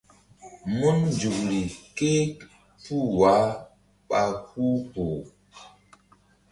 Mun nzukri ké puh wah ɓa huh kpuh.